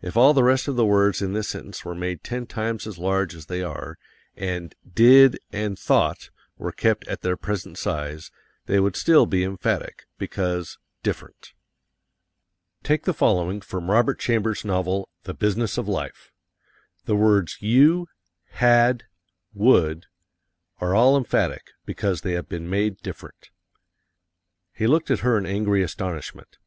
If all the rest of the words in this sentence were made ten times as large as they are, and DID and THOUGHT were kept at their present size, they would still be emphatic, because different. Take the following from Robert Chambers' novel, "The Business of Life." The words you, had, would, are all emphatic, because they have been made different. He looked at her in angry astonishment.